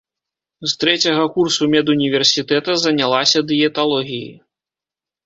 З трэцяга курсу медуніверсітэта занялася дыеталогіяй.